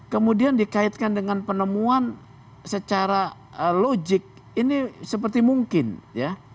kemudian dikaitkan dengan penemuan secara logik ini seperti mungkin ya